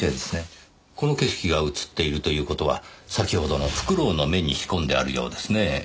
この景色が映っているという事は先ほどのフクロウの目に仕込んであるようですね。